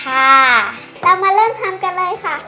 เราต้องมาเริ่มทำกันแน่น